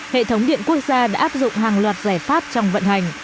hệ thống điện quốc gia đã áp dụng hàng loạt giải pháp trong vận hành